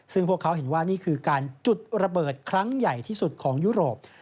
ซึ่งพวกเขาเห็นว่านี่คือการจุดระเบิดครั้งใหญ่ที่สุดของยุโรป